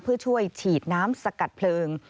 เพื่อช่วยฉีดน้ำสกัดเพลิง